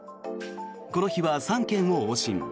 この日は３件を往診。